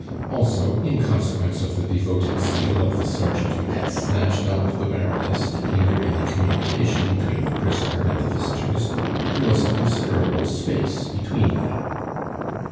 Also, in consequence of the devoted zeal of the sergeant who had snatched up the Baroness to hinder any communication between the prisoner and the visitors, there was a considerable space between them.